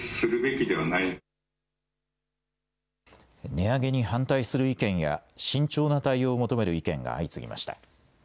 値上げに反対する意見や慎重な対応を求める意見が相次ぎました。